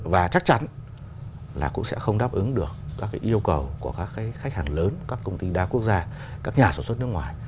và chắc chắn là cũng sẽ không đáp ứng được các cái yêu cầu của các cái khách hàng lớn các công ty đa quốc gia các nhà sản xuất nước ngoài